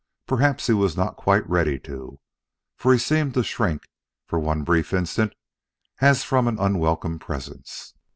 Perhaps he was not quite ready to, for he seemed to shrink, for one brief instant, as from an unwelcome presence.